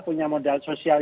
punya modal sosial